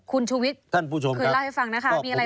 คุณชุวิตคือเล่าให้ฟังนะคะมีอะไรบ้างท่านผู้ชมครับ